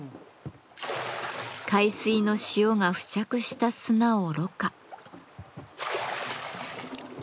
海水の塩が付着した砂をろ過。